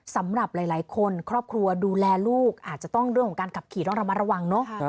สำหรับหลายคนครอบครัวดูแลลูกอาจจะต้องเรื่องของการขับขี่ต้องระมัดระวังเนอะ